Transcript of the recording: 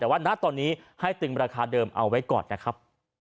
แต่ว่าณตอนนี้ให้ตึงราคาเดิมเอาไว้ก่อนนะครับ